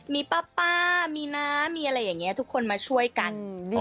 มีป้ามีน้ามีอะไรอย่างนี้ทุกคนมาช่วยกัน